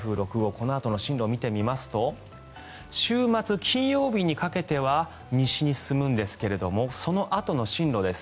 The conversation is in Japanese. このあとの進路を見てみますと週末、金曜日にかけては西に進むんですがそのあとの進路です。